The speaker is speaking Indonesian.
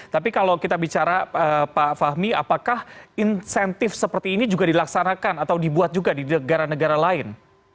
tapi kalau kita bicara pak fahmi apakah insentif seperti ini juga dilaksanakan atau dibuat juga di negara negara lain